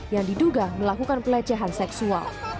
yang diduga melakukan pelecehan seksual